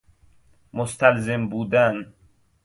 مستلزم بودن